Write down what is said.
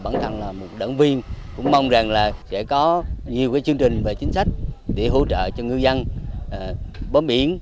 nhiều chương trình và chính sách để hỗ trợ cho ngư dân bóng biển